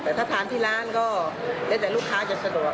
แต่ถ้าทานที่ร้านก็แล้วแต่ลูกค้าจะสะดวก